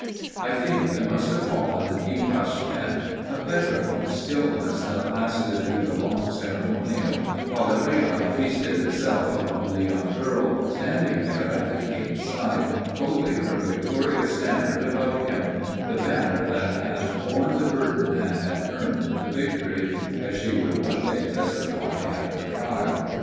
I think there must have fallen a deep hush then a petrified stillness that lasted through the long ceremonial, while every eye feasted itself upon the young girl standing there at the king's side, holding her victorious standard above him the banner that "had borne the burden and had earned the victory," as she would one day testify at her trial.